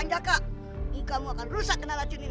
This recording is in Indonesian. hei jaka kamu akan rusak dengan racun ini